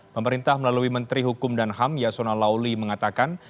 pemerintah melalui menteri hukum dan ham yasona lauli mengatakan